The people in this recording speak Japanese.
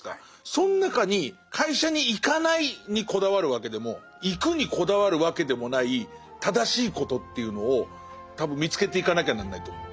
そん中に会社に行かないにこだわるわけでも行くにこだわるわけでもない正しいことというのを多分見つけていかなきゃなんないと思う。